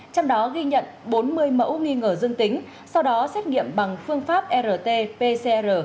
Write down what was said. trong đó ghi nhận bốn mươi mẫu nghi ngờ dương tính sau đó xét nghiệm bằng phương pháp rt pcr